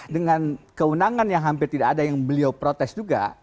dengan keunangan yang hampir tidak ada yang beliau protes juga